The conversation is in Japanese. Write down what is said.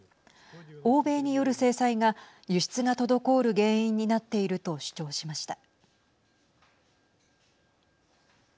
欧米による制裁が輸出が滞る原因になっていると主張しました。